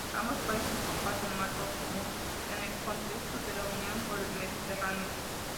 Ambos países comparten marco común en el contesto de la Union por el Mediterráneo.